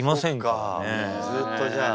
ずっとじゃあ。